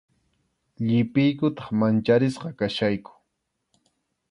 Llipiykutaq mancharisqa kachkayku.